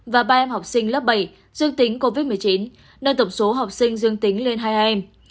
và ba em học sinh lớp bảy dương tính covid một mươi chín nâng tổng số học sinh dương tính lên hai em